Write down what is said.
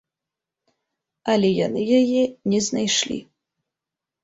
Але яны яе не знайшлі